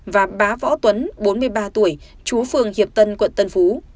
và bá võ tuấn bốn mươi ba tuổi chú phường hiệp tân quận tân phú